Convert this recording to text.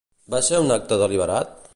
Va ser un acte deliberat?